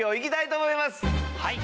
はい。